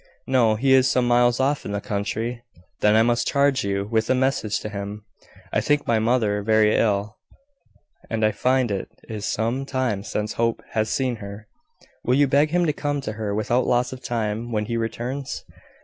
"No: he is some miles off in the country." "Then I must charge you with a message to him. I think my mother very ill; and I find it is some time since Hope has seen her. Will you beg him to come to her without loss of time, when he returns?"